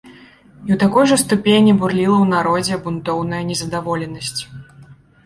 І ў такой жа ступені бурліла ў народзе бунтоўная нездаволенасць.